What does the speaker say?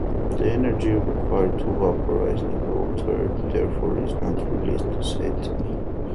The energy required to vaporize the water therefore is not released as heat.